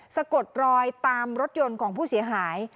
สะกดรอยตามรถยนต์ของผู้เสียหาย